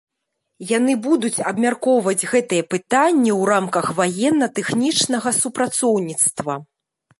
Яны будуць абмяркоўваць гэтае пытанне ў рамках ваенна-тэхнічнага супрацоўніцтва.